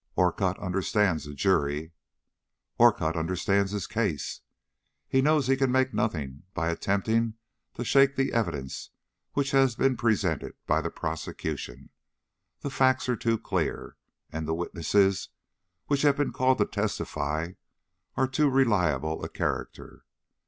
"Orcutt understands a jury." "Orcutt understands his case. He knows he can make nothing by attempting to shake the evidence which has been presented by the prosecution; the facts are too clear, and the witnesses which have been called to testify are of too reliable a character.